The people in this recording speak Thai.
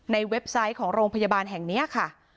เว็บไซต์ของโรงพยาบาลแห่งนี้ค่ะ